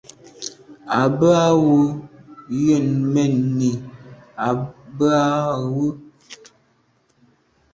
À bə α̂ wə Yə̂n mɛ̀n nî bə α̂ wə.